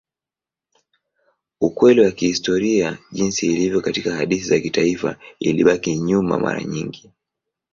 Ukweli wa kihistoria jinsi ilivyo katika hadithi za kitaifa ilibaki nyuma mara nyingi.